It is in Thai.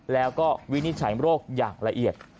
แล้วก็วินิจฉัยโรคอย่างละเอียด